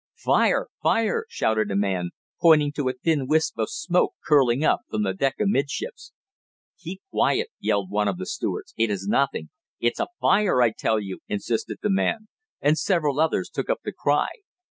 "Fire! Fire!" shouted a man, pointing to a thin wisp of smoke curling up from the deck amidships. "Keep quiet!" yelled one of the stewards. "It is nothing!" "It's a fire, I tell you!" insisted the man, and several others took up the cry.